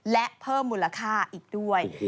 และเพิ่มมูลค่าอีกด้วย